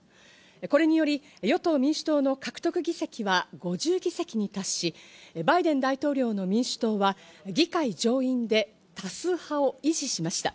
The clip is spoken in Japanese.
これにより与党・民主党の獲得議席は５０議席に対しバイデン大統領の民主党は議会上院で多数派を維持しました。